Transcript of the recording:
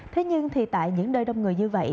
thế nhưng tại những nơi đông người như vậy